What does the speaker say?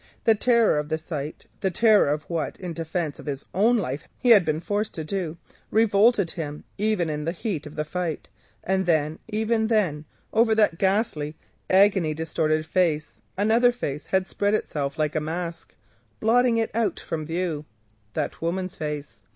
The terror of the sight, the terror of what in defence of his own life he was forced to do, revolted him even in the heat of the fight, and even then, over that ghastly and distorted face, another face spread itself like a mask, blotting it out from view—that woman's face.